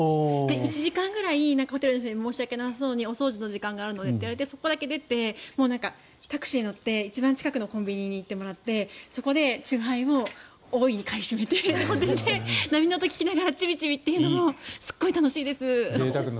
１時間ぐらいホテルの人が申し訳なさそうにお掃除の時間があるのでって言われてそこだけ出てタクシーに乗って一番近くのコンビニ行ってもらって、そこで酎ハイを大いに買い占めて波の音を聞きながらちびちびというのもすごい楽しいです。